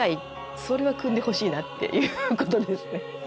それは酌んでほしいなっていうことですね。